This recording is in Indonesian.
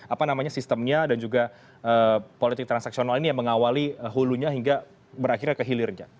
apa namanya sistemnya dan juga politik transaksional ini yang mengawali hulunya hingga berakhirnya ke hilirnya